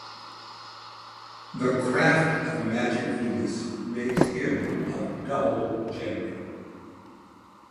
The craft of magic Venus makes him of double gender.